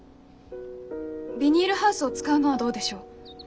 ビニールハウスを使うのはどうでしょう？